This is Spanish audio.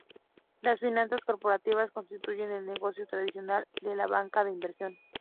Las finanzas corporativas constituyen el negocio tradicional de la banca de inversión.